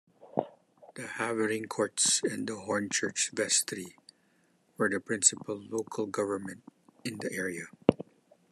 The Havering courts and Hornchurch vestry were the principal local government in the area.